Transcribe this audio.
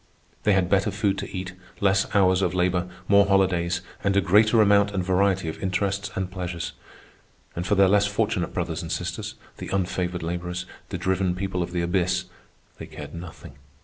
They had better food to eat, less hours of labor, more holidays, and a greater amount and variety of interests and pleasures. And for their less fortunate brothers and sisters, the unfavored laborers, the driven people of the abyss, they cared nothing.